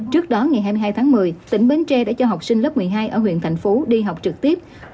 trước đó ngày hai mươi hai tháng một mươi tỉnh bến tre đã cho học sinh lớp một mươi hai ở huyện thành phố đi học trực tiếp